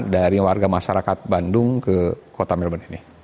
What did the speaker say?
dari warga masyarakat bandung ke kota melbourne ini